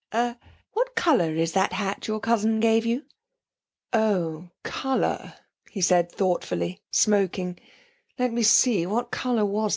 Er what colour is that hat that your cousin gave you?' 'Oh, colour?' he said thoughtfully, smoking. 'Let me see what colour was it?